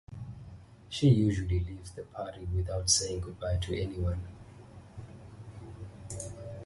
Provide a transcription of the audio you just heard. She usually leaves the party without saying goodbye to anyone.